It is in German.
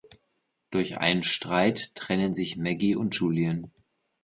Durch einen Streit trennen sich Maggy und Julien.